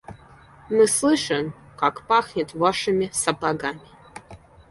Мы слышим, как пахнет вашими сапогами.